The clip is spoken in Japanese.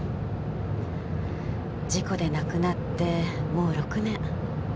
事故で亡くなってもう６年。